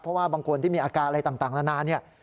เพราะว่าบางคนที่มีอาการอะไรต่างนานาเนี่ย